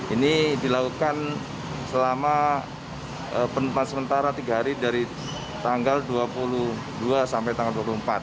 ini dilakukan selama penempaan sementara tiga hari dari tanggal dua puluh dua sampai tanggal dua puluh empat